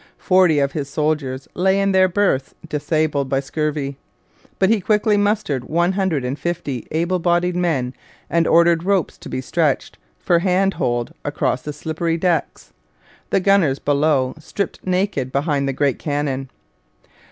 Forty of his soldiers lay in their berths disabled by scurvy; but he quickly mustered one hundred and fifty able bodied men and ordered ropes to be stretched, for hand hold, across the slippery decks. The gunners below stripped naked behind the great cannon.